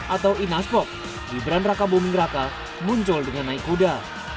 atau inaspok di beran raka buming raka muncul dengan naik kuda